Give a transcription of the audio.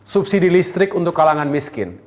subsidi listrik untuk kalangan miskin